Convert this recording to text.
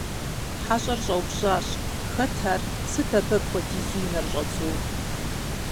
ХьэщӀэр щӀэупщӀащ: - Хэт ар? Сыт абы апхуэдизу и нэр щӀэцӀур?